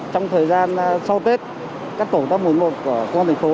trong thời gian sau tết các tổ công tác một trăm bốn mươi một của quân thành phố